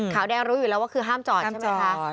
ขาวแดงรู้อยู่แล้วว่าคือห้ามจอดใช่ไหมคะ